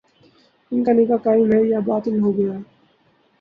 ان کا نکاح قائم ہے یا باطل ہو گیا ہے؟